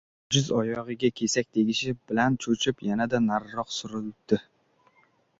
Ojiz oyog‘iga kesak tegishi bilan cho‘chib, yanada nariroq surilibdi.